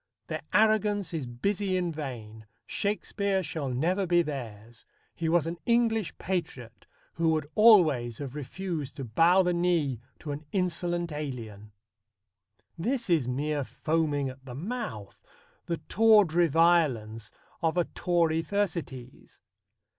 Their arrogance is busy in vain. Shakespeare shall never be theirs. He was an English patriot, who would always have refused to bow the knee to an insolent alien. This is mere foaming at the mouth the tawdry violence of a Tory Thersites.